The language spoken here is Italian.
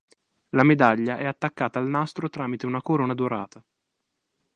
La medaglia è attaccata al nastro tramite una corona dorata.